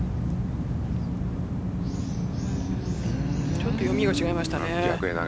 ちょっと読みが違いましたね。